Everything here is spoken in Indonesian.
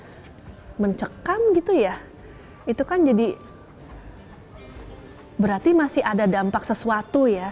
kalau mencekam gitu ya itu kan jadi berarti masih ada dampak sesuatu ya